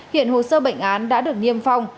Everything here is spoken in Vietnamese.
hiện hồ sơ bệnh án đã được niêm phong